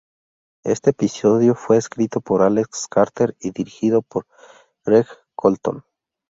Este episodio fue escrito por Alex Carter y dirigido por Greg Colton.